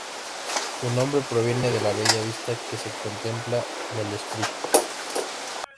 Su nombre proviene de la bella vista que se contempla del Spree.